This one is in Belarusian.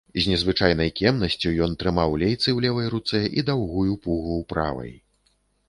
З незвычайнай кемнасцю ён трымаў лейцы ў левай руцэ і даўгую пугу ў правай.